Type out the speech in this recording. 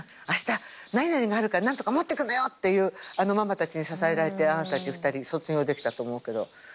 あした何々があるから何とか持ってくんのよ」っていうあのママたちに支えられてあなたたち２人卒業できたと思うけど。